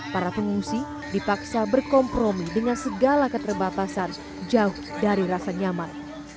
para pengungsi dipaksa berkompromi dengan segala keterbatasan jauh dari rasa nyaman